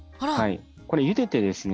これゆでてですね